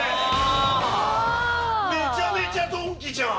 めちゃめちゃドンキじゃん。